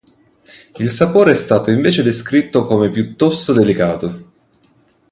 Il sapore è stato invece descritto come piuttosto delicato.